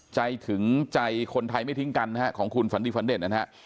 ใจถึงใจคนไทยไม่ทิ้งกันของคุณฝันดิฟันเดชน์นะครับ